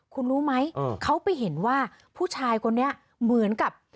คุณรู้ไหมเขาไปเห็นว่าผู้ชายคนนี้เหมือนกับ